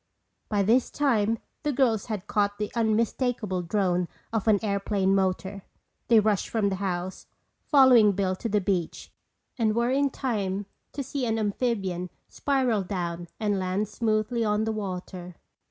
By this time the girls had caught the unmistakable drone of an airplane motor. They rushed from the house, following Bill to the beach, and were in time to see an amphibian spiral down and land smoothly on the water.